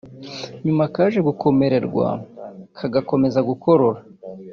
nyuma kaje gukomorerwa kagakomeza gukora